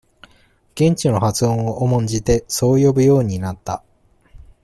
現地の発音を重んじて、そう呼ぶようになった。